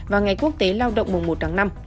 và ngày quốc tế lao động mùa một tháng năm